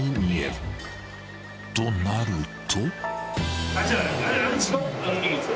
［となると］